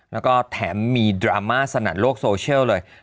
แล้วก็แถมมีดราม่าสนัดโลกโซเชียลเลย